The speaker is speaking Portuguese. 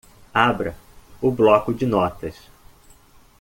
Abra o bloco de notas.